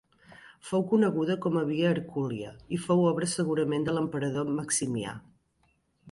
Fou coneguda com a Via Hercúlia i fou obra segurament de l'emperador Maximià.